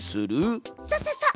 そうそうそう！